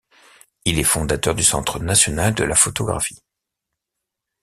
Il est le fondateur du Centre national de la photographie.